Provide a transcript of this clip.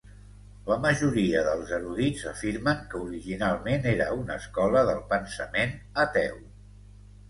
La majoria dels erudits afirmen que originalment era una escola del pensament ateu.